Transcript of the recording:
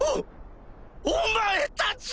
おお前たち！